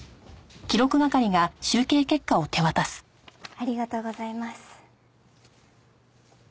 ありがとうございます。